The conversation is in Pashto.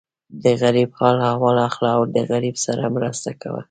د غریب حال احوال اخله او د غریب سره مرسته کوه.